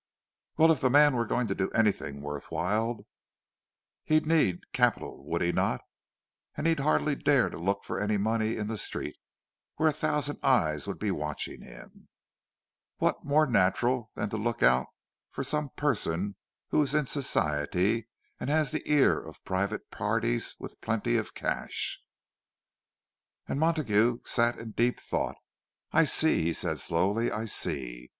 "Well, if the man were going to do anything worth while, he'd need capital, would he not? And he'd hardly dare to look for any money in the Street, where a thousand eyes would be watching him. What more natural than to look out for some person who is in Society and has the ear of private parties with plenty of cash?" And Montague sat in deep thought. "I see," he said slowly; "I see!"